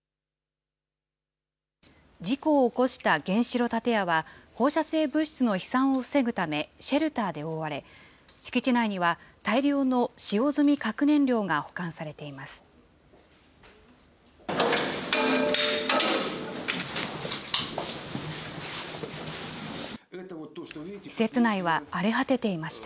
事故を起こした原子炉建屋は、放射性物質の飛散を防ぐため、シェルターで覆われ、敷地内には大量の使用済み核燃料が保管されています。